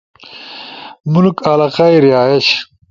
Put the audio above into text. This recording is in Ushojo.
ملک/ علاقہ ئی رہائش